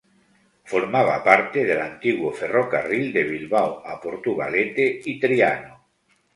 Formaba parte del antiguo "Ferrocarril de Bilbao a Portugalete y Triano".